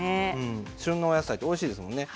旬のお野菜はおいしいですね。